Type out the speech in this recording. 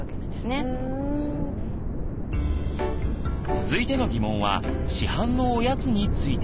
続いての疑問は市販のおやつについて。